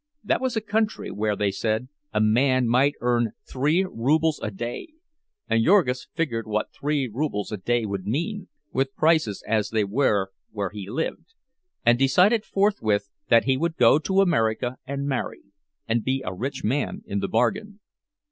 That was a country where, they said, a man might earn three rubles a day; and Jurgis figured what three rubles a day would mean, with prices as they were where he lived, and decided forthwith that he would go to America and marry, and be a rich man in the bargain.